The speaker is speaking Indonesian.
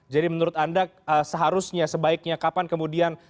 jadi menurut anda seharusnya sebaiknya kapan kemudian